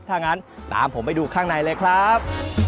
ถ้างั้นตามผมไปดูข้างในเลยครับ